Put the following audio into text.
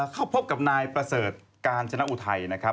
เข้าพบกับนายประเสริฐกาญจนอุทัยนะครับ